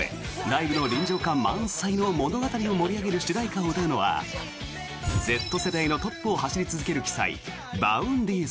ライブの臨場感満載の物語を盛り上げる主題歌を歌うのはＺ世代のトップを走り続ける鬼才Ｖａｕｎｄｙさん。